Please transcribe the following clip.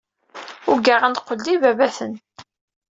Ugaɣ ad neqqel d ibabaten.